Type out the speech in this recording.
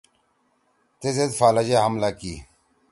تی زید فالج ئے حملہ کی۔